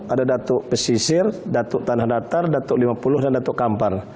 ada datuk pesisir datuk tanah datar datuk lima puluh dan datuk kampar